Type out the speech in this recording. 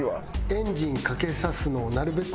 エンジンかけさせるのをなるべく